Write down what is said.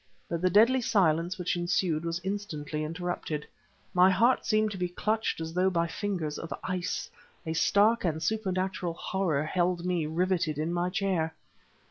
But the deadly silence which ensued was instantly interrupted. My heart seemed to be clutched as though by fingers of ice; a stark and supernatural horror held me riveted in my chair.